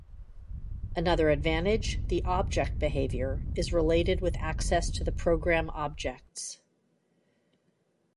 Another advantage, the object behavior, is related with access to the program objects.